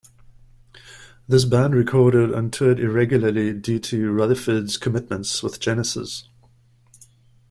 This band recorded and toured irregularly due to Rutherford's commitments with Genesis.